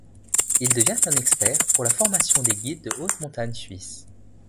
Il devient un expert pour la formation des guides de haute montagne suisses.